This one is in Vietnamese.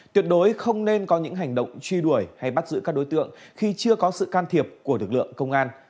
tuyệt đối không nên có những hành động truy đuổi hay bắt giữ các đối tượng khi chưa có sự can thiệp của lực lượng công an